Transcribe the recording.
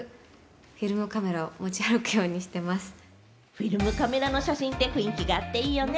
フィルムカメラの写真って雰囲気があっていいよね。